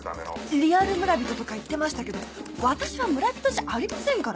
「リアル村人とか言ってましたけど私は村人じゃありませんから！」。